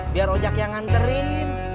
biar ojak yang nganterin